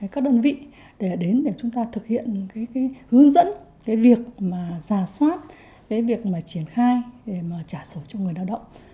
các đơn vị đến để chúng ta thực hiện hướng dẫn việc giả soát việc triển khai để trả sổ cho người lao động